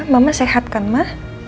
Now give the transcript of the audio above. mama sehat kan ma